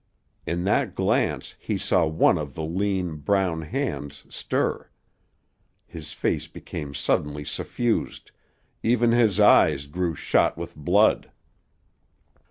In that glance he saw one of the lean, brown hands stir. His face became suddenly suffused, even his eyes grew shot with blood.